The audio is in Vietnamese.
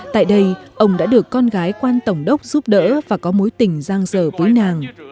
tại đây ông đã được con gái quan tổng đốc giúp đỡ và có mối tình giang dở với nàng